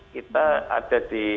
kita ada di